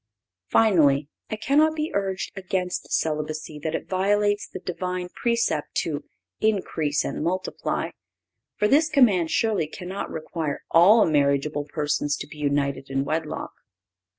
Finally, it cannot be urged against celibacy that it violates the Divine precept to "increase and multiply;" for this command surely cannot require all marriageable persons to be united in wedlock.